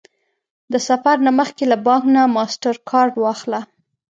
د سفر نه مخکې له بانک نه ماسټرکارډ واخله